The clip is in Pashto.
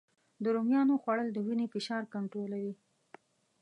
د رومیانو خوړل د وینې فشار کنټرولوي